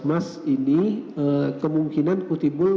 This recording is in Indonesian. mas ini kemungkinan ketibul